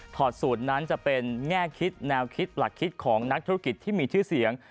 ถอดสูตรนั้นจะเป็นแง่คิดแนวคิดหลักคิดของนักธุรกิจที่มีชื่อเสียง